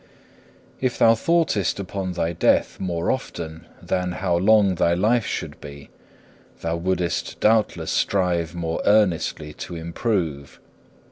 5. If thou thoughtest upon thy death more often than how long thy life should be, thou wouldest doubtless strive more earnestly to improve.